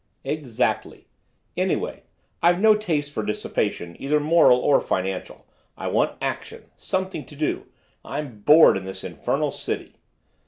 "Exactly. Anyway, I've no taste for dissipation, either moral or financial. I want action; something to do. I'm bored in this infernal city."